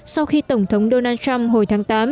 sau khi tổng thống donald trump hồi tháng tám